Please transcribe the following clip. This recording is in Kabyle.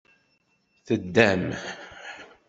Teddam.